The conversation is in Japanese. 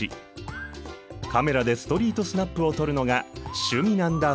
カメラでストリートスナップを撮るのが趣味なんだそう。